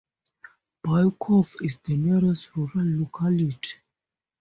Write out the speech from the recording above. Bykovo is the nearest rural locality.